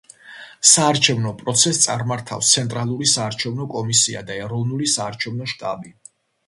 საარჩევნო პროცესს წარმართავს ცენტრალური საარჩევნო კომისია და ეროვნული საარჩევნო შტაბი.